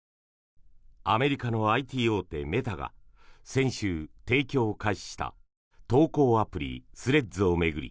アメリカのＩＴ大手メタが先週、提供を開始した投稿アプリ、スレッズを巡り